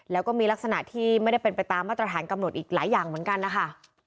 แล้วก็มีลักษณะที่ไม่ได้เป็นไปตามมาตรฐานกำหนดอีกหลายอย่างเหมือนกันนะคะ